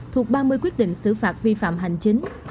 thuộc ba mươi quyết định xử phạt vi phạm hành chính